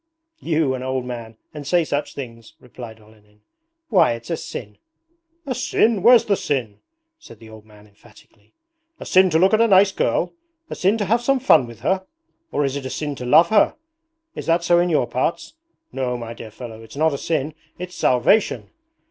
'You, an old man and say such things,' replied Olenin. 'Why, it's a sin!' 'A sin? Where's the sin?' said the old man emphatically. 'A sin to look at a nice girl? A sin to have some fun with her? Or is it a sin to love her? Is that so in your parts? ... No, my dear fellow, it's not a sin, it's salvation!